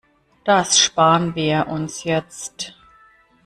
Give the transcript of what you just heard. Das spar'n wir uns jetzt.